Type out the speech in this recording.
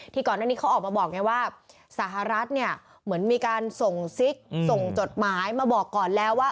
ก่อนหน้านี้เขาออกมาบอกไงว่าสหรัฐเนี่ยเหมือนมีการส่งซิกส่งจดหมายมาบอกก่อนแล้วว่า